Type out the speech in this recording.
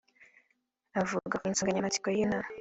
Avuga ku insanganyamatsiko y’iyo nama